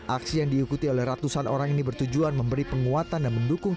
aksi yang diikuti oleh ratusan orang ini bertujuan memberi penguatan dan mendukung